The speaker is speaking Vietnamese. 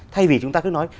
thay vì chúng ta cứ nói